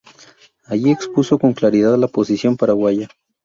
Allí expuso con claridad la posición paraguaya.